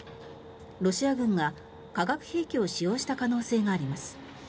ロシア軍が化学兵器を使用した可能性があります。